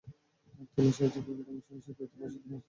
তিনি সে যুগে গোটা মিসরে স্বীকৃত ও প্রসিদ্ধ মুহাদ্দিস ছিলেন।